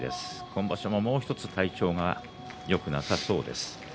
今場所も、もうひとつ体調がよくなさそうです。